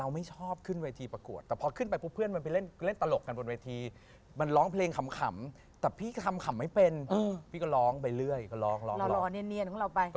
แล้วก็เหรอแต่ตอนนั้นพอมันเริ่มก็